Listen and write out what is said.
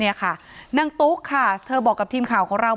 นี่ค่ะนางตุ๊กค่ะเธอบอกกับทีมข่าวของเรา